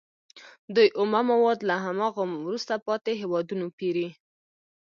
دوی اومه مواد له هماغو وروسته پاتې هېوادونو پېري